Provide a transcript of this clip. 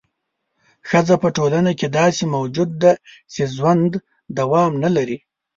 ښځه په ټولنه کې داسې موجود دی چې ژوند دوام نه لري.